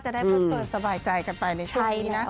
ก็จะเปิดสบายใจกันไปในช่วงนี้นะ